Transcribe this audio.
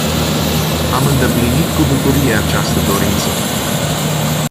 Am îndeplinit cu bucurie această dorință.